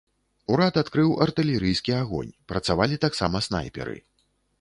Урад адкрыў артылерыйскі агонь, працавалі таксама снайперы.